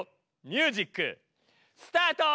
ミュージックスタート！